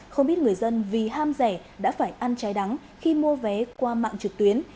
không biết người dân vì ham rẻ đã phải ăn cháy đắng khi mua vé qua mạng trực tuyến